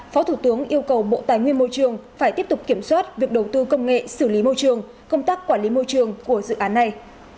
phó thủ tướng yêu cầu bộ tài nguyên môi trường phải tiếp tục kiểm soát việc đầu tư công nghệ xử lý môi trường công tác quản lý môi trường của dự án này